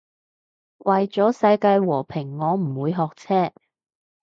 為咗世界和平我唔會學車